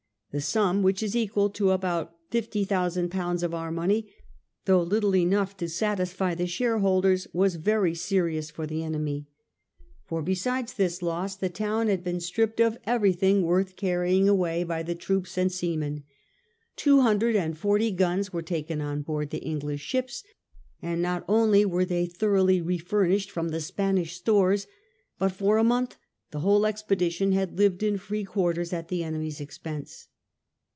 The sum, which is equal to about fifty thousand poimds of our money, though little enough to satisfy the shareholders, was very serious for the enemy. For besides this loss the VIII SAILS FOR THE SPANISH MAIN 107 town had been stripped of everything worth carrying away by the troops and seamen. Two hundred and forty guns were taken on board the English ships, and not only were they thoroughly refurnished from the Spanish stores, but for a month the whole expedition had lived in free quarters at the enemy's expense.